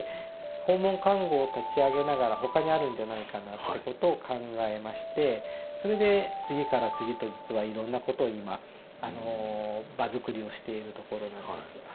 訪問看護を立ち上げながら他にあるんじゃないかなってことを考えましてそれで次から次と実はいろんなことを今場づくりをしているところなんです。